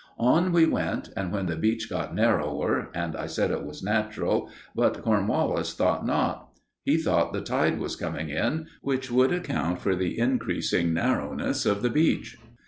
On we went, and then the beach got narrower, and I said it was natural, but Cornwallis thought not. He thought the tide was coming in, which would account for the increasing narrowness of the beach.